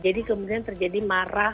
jadi kemudian terjadi marah